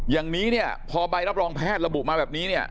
อย่างนี้พอใบรับรองแพทย์ระบุมาแบบนี้